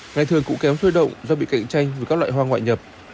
ngày thường cũng kém thuê động do bị cạnh tranh với các loại hoa ngoại nhập